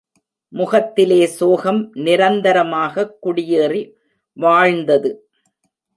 முகத்திலே சோகம் நிரந்தரமாகக் குடியேறி வாழ்ந்தது.